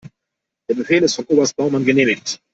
Der Befehl ist von Oberst Baumann genehmigt.